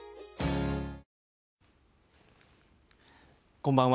こんばんは。